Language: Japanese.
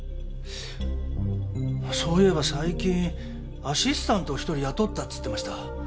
そういえば最近アシスタントを１人雇ったって言ってました。